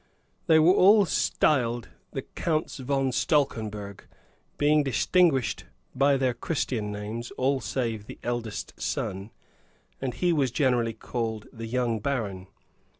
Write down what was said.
They were all styled the Counts von Stalkenberg, being distinguished by their Christian names all save the eldest son, and he was generally called the young baron.